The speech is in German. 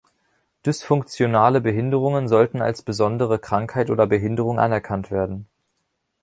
Dysfunktionale Behinderungen sollten als besondere Krankheit oder Behinderung anerkannt werden.